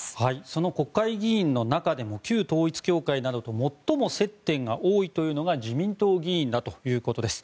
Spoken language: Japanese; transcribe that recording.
その国会議員の中でも旧統一教会などと最も接点が多いというのが自民党議員だということです。